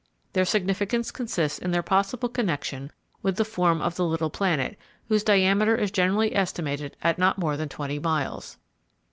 Their significance consists in their possible connection with the form of the little planet, whose diameter is generally estimated at not more than twenty miles.